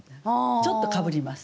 ちょっとかぶります。